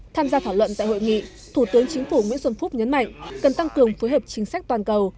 tham gia thảo luận tại hội nghị thủ tướng chính phủ nguyễn xuân phúc nhấn mạnh cần tăng cường phối hợp chính sách toàn cầu